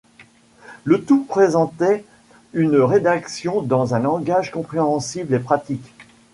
Le tout présentait une rédaction dans un langage compréhensible et pratique.